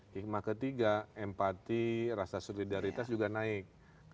hikmah ketiga empati rasa solidaritas juga naik